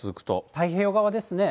太平洋側ですね。